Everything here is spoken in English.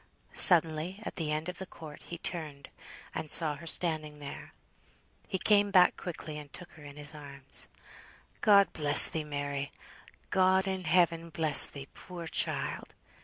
Suddenly, at the end of the court, he turned, and saw her standing there; he came back quickly, and took her in his arms. "God bless thee, Mary! God in heaven bless thee, poor child!"